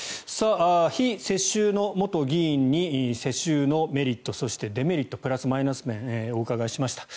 非世襲の元議員に世襲のメリットそしてデメリットプラス、マイナス面をお伺いしました。